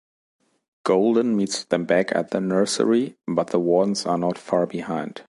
Golden meets them back at the nursery, but the Wardens are not far behind.